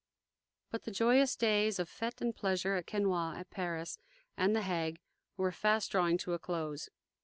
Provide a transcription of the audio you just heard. But the joyous days of fete and pleasure at Quesnoy, at Paris, and The Hague were fast drawing to a close.